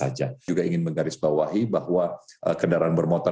saya juga ingin menggarisbawahi bahwa kendaraan bermotor